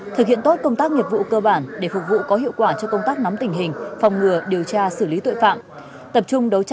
thực hiện tốt công tác nghiệp vụ cơ bản để phục vụ có hiệu quả cho công tác nắm tình hình